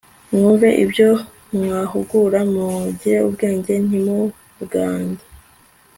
Mwumve ibyo mbahugura mugire ubwenge Ntimubwange